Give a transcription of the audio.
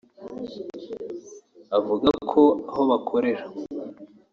avuga ko aho bakorera